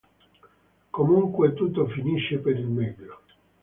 Comunque tutto finisce per il meglio.